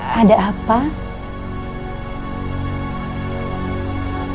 sampai jumpa lagi